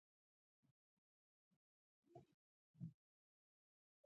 ژبې د افغانستان په هره برخه کې موندل کېږي.